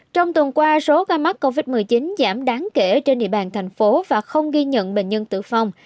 trong tuần qua số ca mắc covid một mươi chín giảm đáng kể trên địa bàn thành phố và không ghi nhận bệnh nhân tử vong